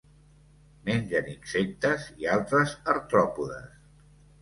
Mengen insectes i altres artròpodes.